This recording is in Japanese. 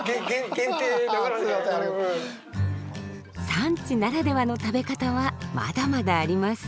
産地ならではの食べ方はまだまだあります。